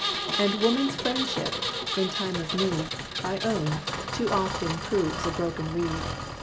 And woman's friendship, in the time of need, I own, too often proves a broken reed.